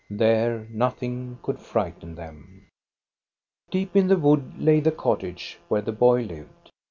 There nothing could frighten them. Deep in the wood lay the cottage where the boy lived.